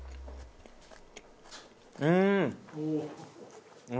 うん！